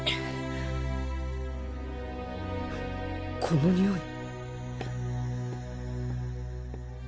このにおい。